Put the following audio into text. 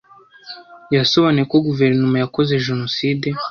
Yasobanuye ko Guverinoma yakoze Jenoside